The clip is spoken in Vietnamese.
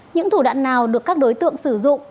những thủ đoạn nào được các đối tượng sử dụng